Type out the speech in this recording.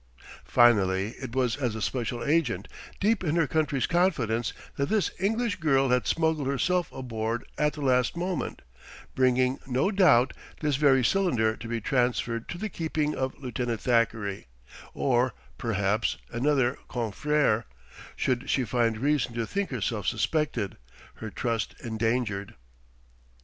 Finally, it was as a special agent, deep in her country's confidence, that this English girl had smuggled herself aboard at the last moment, bringing, no doubt, this very cylinder to be transferred to the keeping of Lieutenant Thackeray or, perhaps, another confrère, should she find reason to think herself suspected, her trust endangered.